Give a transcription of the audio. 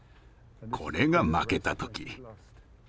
これが負けた時。